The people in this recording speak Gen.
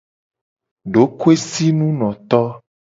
Dokoesinunoto.